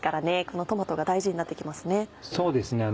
このトマトが大事になって来ますね。